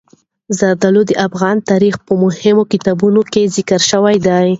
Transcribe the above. زردالو د افغان تاریخ په مهمو کتابونو کې ذکر شوي دي.